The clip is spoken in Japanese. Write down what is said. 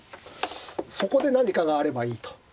そこで何かがあればいいと。